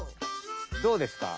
どうですか？